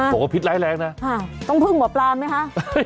บอกว่าพิษร้ายแรงนะต้องพึ่งหมอปลาไหมคะ